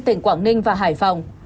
tỉnh quảng ninh và hải phòng